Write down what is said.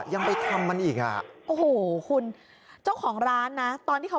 ยังไปทำมันอีกคุณเจ้าของร้านตอนที่เขา